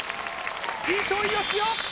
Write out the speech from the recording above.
糸井嘉男